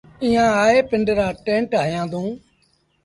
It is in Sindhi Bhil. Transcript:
ايٚئآن آئي پنڊرآ ٽيٚنٽ هنيآندون۔